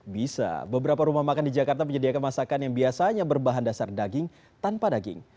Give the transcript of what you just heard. bisa beberapa rumah makan di jakarta menyediakan masakan yang biasanya berbahan dasar daging tanpa daging